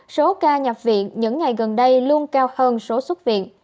số ca nhập viện những ngày gần đây luôn cao hơn số xuất viện